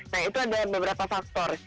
nah itu ada beberapa faktor